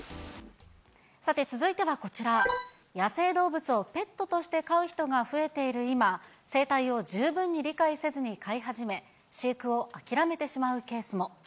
さて、続いてはこちら、野生動物をペットとして飼う人が増えている今、生態を十分に理解せずに飼い始め、飼育を諦めてしまうケースも。